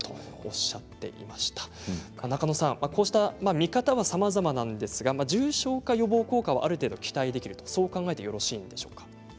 見方はさまざまなんですが重症化予防効果はある程度期待できると考えてよろしいんでしょうか？